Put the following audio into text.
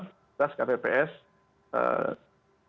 pemimpinan yang berpengalaman